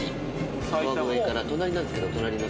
川越から隣なんですけど隣の。